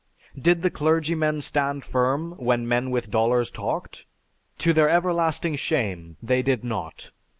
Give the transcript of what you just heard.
Did the clergymen stand firm when men with dollars talked? To their everlasting shame they did not.